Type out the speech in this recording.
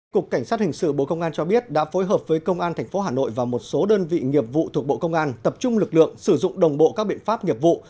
cục cảnh sát hình sự bộ công an cho biết đã phối hợp với công an tp hà nội và một số đơn vị nghiệp vụ thuộc bộ công an tập trung lực lượng sử dụng đồng bộ các biện pháp nghiệp vụ